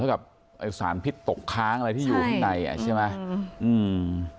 เท่ากับสารพิษตกค้างอะไรที่อยู่ข้างในใช่ไหม